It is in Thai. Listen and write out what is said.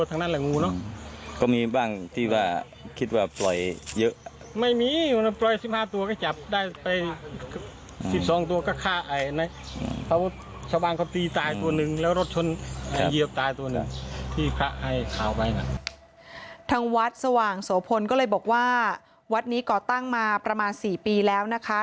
ทางวัดสว่างโสพลก็เลยบอกว่าวัดนี้ก่อตั้งมาประมาณ๔ปีแล้วนะคะ